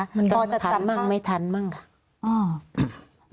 มันกันทันบ้างไม่ทันบ้างค่ะ